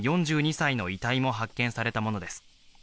４２歳の遺体も発見されたものです。